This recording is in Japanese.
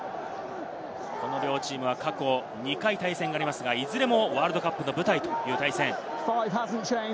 両チームは過去２回、対戦がありますが、いずれもワールドカップの舞台という対戦です。